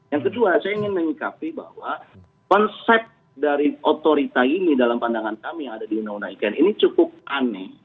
yang kedua saya ingin menyikapi bahwa konsep dari otorita ini dalam pandangan kami yang ada di undang undang ikn ini cukup aneh